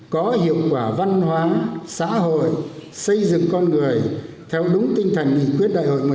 có hiệu quả văn hóa xã hội xây dựng con người theo đúng tinh thần nghị quyết đại hội một mươi